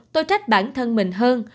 tôi trách bản thân mình hơn